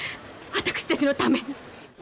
私たちのために。